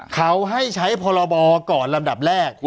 เขาให้ใช้พรบก่อนลำดับแรก